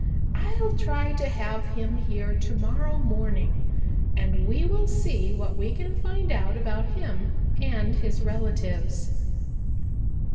I'll try to have him here to morrow morning and we will see what we can find out about him and his relatives."